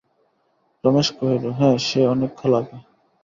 রমেশ কহিল, হ্যাঁ সে অনেককাল আগে।